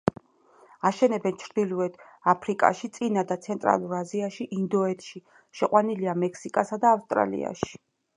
აშენებენ ჩრდილოეთ აფრიკაში, წინა და ცენტრალურ აზიაში, ინდოეთში; შეყვანილია მექსიკასა და ავსტრალიაში.